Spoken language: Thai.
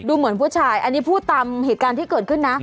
เหมือนผู้ชายอันนี้พูดตามเหตุการณ์ที่เกิดขึ้นนะ